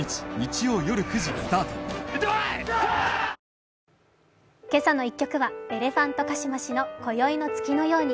「クラフトボス」「けさの１曲」はエレファントカシマシの「今宵の月のように」